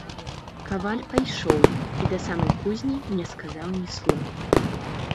Каваль пайшоў і да самай кузні не сказаў ні слова.